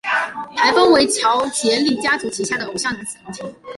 台风为乔杰立家族旗下偶像男子团体。